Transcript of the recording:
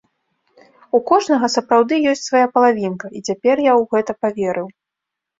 У кожнага сапраўды ёсць свая палавінка, і цяпер я ў гэта паверыў.